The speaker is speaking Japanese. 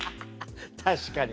確かにね。